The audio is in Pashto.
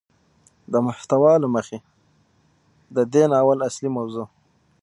د محتوا له مخې ده دې ناول اصلي موضوع